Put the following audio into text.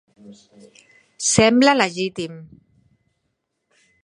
Sembla legítim.